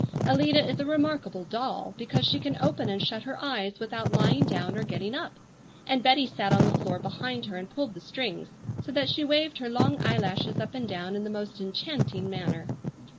Alida is a remarkable doll, because she can open and shut her eyes without lying down or getting up; and Betty sat on the floor behind her and pulled the strings, so that she waved her long eyelashes up and down in the most enchanting manner.